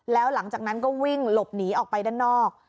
แล้วหลังจากนั้นก็วิ่งหลบหนีออกไปด้านนอก